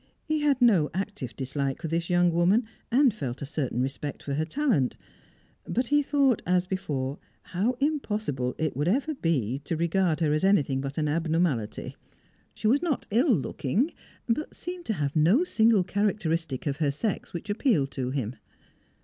He had no active dislike for this young woman, and felt a certain respect for her talent, but he thought, as before, how impossible it would be ever to regard her as anything but an abnormality. She was not ill looking, but seemed to have no single characteristic of her sex which appealed to him.